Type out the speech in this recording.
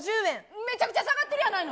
めちゃくちゃ下がってるやないの。